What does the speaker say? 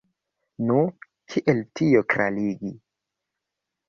Nu, kiel tion klarigi?